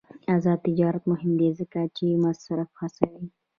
آزاد تجارت مهم دی ځکه چې مصرف هڅوي.